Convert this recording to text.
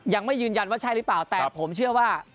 ยังไม่ยืนยันว่าใช่หรือเปล่าแต่ผมเชื่อว่า